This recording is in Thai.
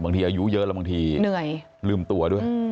อายุเยอะแล้วบางทีเหนื่อยลืมตัวด้วย